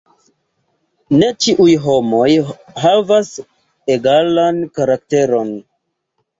Ne ĉiuj homoj havas egalan karakteron!